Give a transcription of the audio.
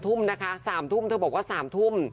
ทุ่มนะคะ๓ทุ่มเธอบอกว่า๓ทุ่ม